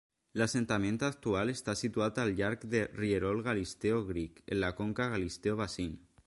L'assentament actual està situat al llarg del rierol Galisteo Creek en la conca Galisteo Basin.